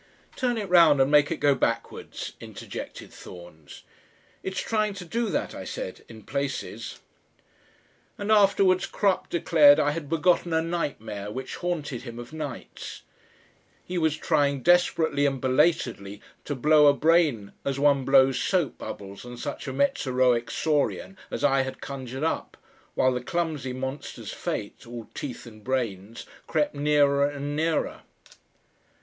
"Turn it round and make it go backwards," interjected Thorns. "It's trying to do that," I said, "in places." And afterwards Crupp declared I had begotten a nightmare which haunted him of nights; he was trying desperately and belatedly to blow a brain as one blows soap bubbles on such a mezoroic saurian as I had conjured up, while the clumsy monster's fate, all teeth and brains, crept nearer and nearer....